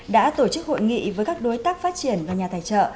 đã tổ chức hội nghị với các đối tác phát triển và nhà tài trợ